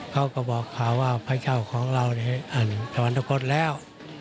เขาก็บอกข่าวว่าพระเจ้าของเราอันสวรรคตแล้ว